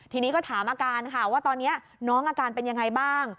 ทีนี้ก็ถามอาการค่ะว่าตอนนี้น้องอาการเป็นยังไงบ้าง